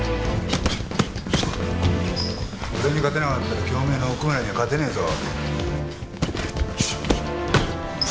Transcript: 俺に勝てなかったら京明の奥村には勝てねえぞ。